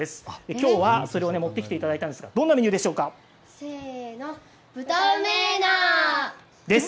きょうはそれを持って来ていただいたんですがせーの、豚梅ーなです。